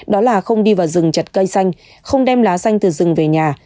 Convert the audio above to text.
đó là không đi vào rừng chặt cây xanh không đem lá xanh từ rừng về nhà